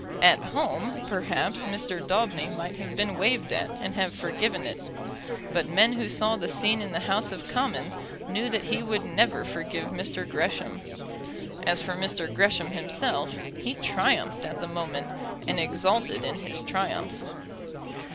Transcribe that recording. "At home," perhaps, Mr. Daubeny might have been waved at, and have forgiven it; but men who saw the scene in the House of Commons knew that he would never forgive Mr. Gresham. As for Mr. Gresham himself, he triumphed at the moment, and exulted in his triumph.